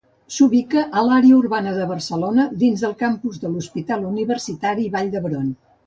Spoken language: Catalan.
S’ubica a l’àrea urbana de Barcelona, dins del campus de l'Hospital Universitari Vall d'Hebron.